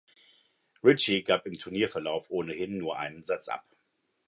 Ritchie gab im Turnierverlauf ohnehin nur einen Satz ab.